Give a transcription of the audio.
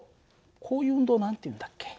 こういう運動を何て言うんだっけ？